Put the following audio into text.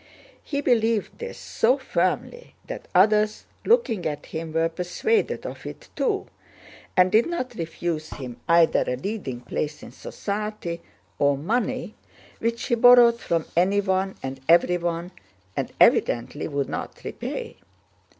He believed this so firmly that others, looking at him, were persuaded of it too and did not refuse him either a leading place in society or money, which he borrowed from anyone and everyone and evidently would not repay.